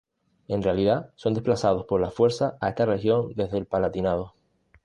En realidad, son desplazados por la fuerza a esta región desde el Palatinado.